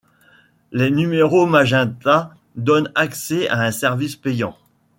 Les numéros magenta donnent accès à un service payant.